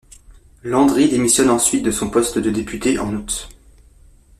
Landry démissionne ensuite de son poste de député en août.